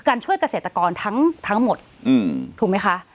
การช่วยเกษตรกรทั้งหมดถูกมั้ยคะ